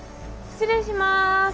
失礼します。